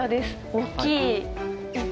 大きいの？